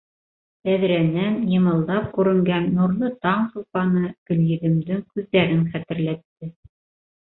Тәҙрәнән йымылдап күренгән нурлы таң сулпаны Гөл-йөҙөмдөң күҙҙәрен хәтерләтте.